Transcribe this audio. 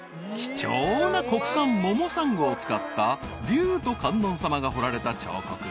［貴重な国産モモサンゴを使った竜と観音様が彫られた彫刻。